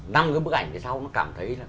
năm cái bức ảnh sau nó cảm thấy là